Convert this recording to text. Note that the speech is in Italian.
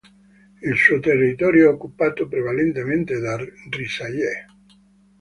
Il suo territorio è occupato prevalentemente da risaie.